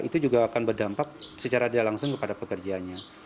itu juga akan berdampak secara tidak langsung kepada pekerjanya